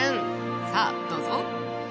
さあどうぞ。